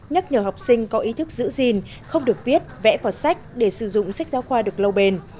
nhắc nhở học sinh có ý thức giữ gìn không được viết vẽ vào sách để sử dụng sách giáo khoa được lâu bền